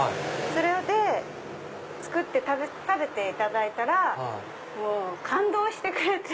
それで作って食べていただいたら感動してくれて。